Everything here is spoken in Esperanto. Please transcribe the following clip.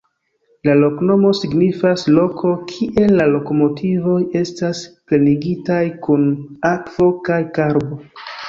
La loknomo signifas: loko, kie la lokomotivoj estas plenigitaj kun akvo kaj karbo.